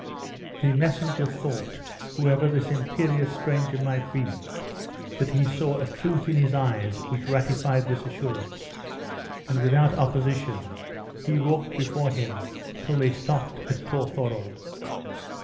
The messenger thought, whoever this imperious stranger might be, that he saw a truth in his eyes which ratified this assurance; and without opposition, he walked before him till they stopped at Torthorald.